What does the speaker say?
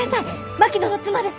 槙野の妻です！